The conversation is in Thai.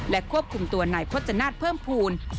และควบคุมตัวในพจนาฏเพิ่มภูมิ